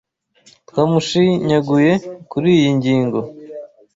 Twamushinyaguye kuriyi ngingo.